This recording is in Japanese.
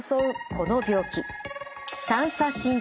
この病気。